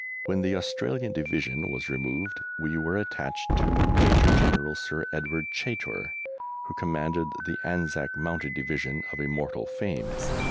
When the Australian Division was removed we were attached to Major General Sir Edward Chaytor, who commanded the Anzac Mounted Division of immortal fame.